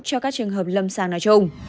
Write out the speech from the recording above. cho các trường hợp lâm sàng nói chung